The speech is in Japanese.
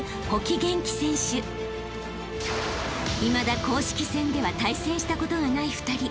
［いまだ公式戦では対戦したことがない２人］